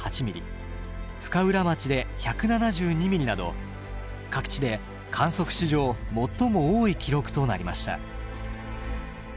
深浦町で１７２ミリなど各地で観測史上最も多い記録となりました。